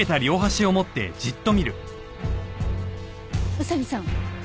宇佐見さん。